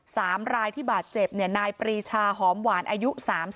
สามรายที่บาดเจ็บเนี่ยนายปรีชาหอมหวานอายุ๓๐